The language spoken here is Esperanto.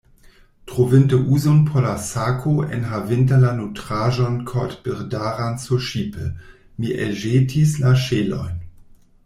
Trovinte uzon por la sako enhavinta la nutraĵon kortbirdaran surŝipe, mi elĵetis la ŝelojn.